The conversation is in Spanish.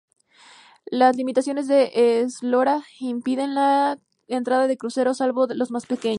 Las limitaciones de eslora impiden la entrada de cruceros, salvo los más pequeños.